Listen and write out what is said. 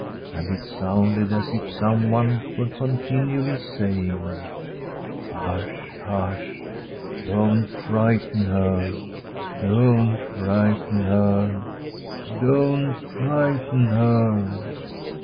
And it sounded as if someone were continually saying: 'Hush, hush! Don't frighten her I don't frighten her ! don't frighten her